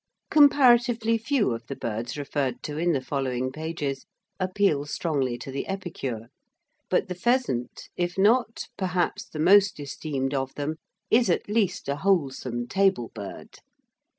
Comparatively few of the birds referred to in the following pages appeal strongly to the epicure, but the pheasant, if not, perhaps, the most esteemed of them, is at least a wholesome table bird.